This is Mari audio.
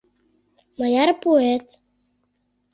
Мыняр пуэт?